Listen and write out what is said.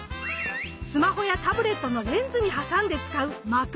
スマホやタブレットのレンズに挟んで使うマクロレンズ。